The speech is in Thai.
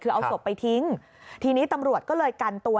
คือเอาศพไปทิ้งทีนี้ตำรวจก็เลยกันตัว